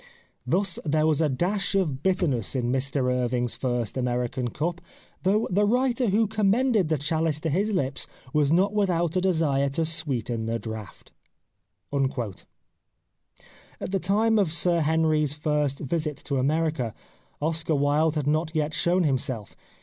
Thus there was a dash of bitterness in Mr Irving' s first American cup, though the writer who com mended the chalice to his lips was not without a desire to sweeten the draught." At the time of Sir Henry's first visit to America, Oscar Wilde had not yet shown him self.